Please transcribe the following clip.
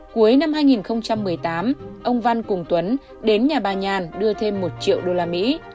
cuối năm hai nghìn một mươi tám ông văn cùng tuấn đến nhà bà nhàn đưa thêm một triệu usd